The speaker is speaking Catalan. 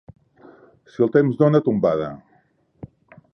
Si el temps dona tombada.